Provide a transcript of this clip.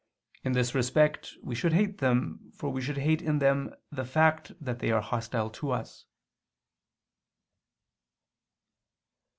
In this respect we should hate them, for we should hate in them the fact that they are hostile to us.